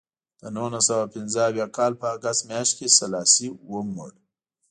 د نولس سوه پنځه اویا کال په اګست میاشت کې سلاسي ومړ.